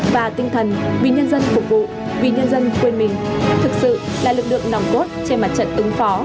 và tinh thần vì nhân dân phục vụ vì nhân dân quên mình thực sự là lực lượng nòng cốt trên mặt trận ứng phó